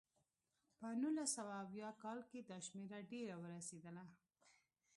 په نولس سوه اویا کال کې دا شمېره ډېره ورسېده.